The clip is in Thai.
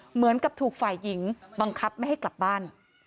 เหมือนกับถูกฝ่ายหญิงบังคับไม่ให้กลับบ้าน